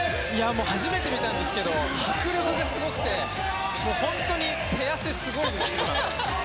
初めて見たんですけど迫力がすごくて本当に手汗すごいです、今。